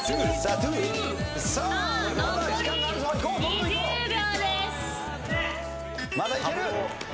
残り２０秒です。